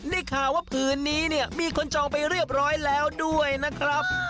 นี่ค่ะว่าผืนนี้มีคนจองไปเรียบร้อยแล้วด้วยนะครับ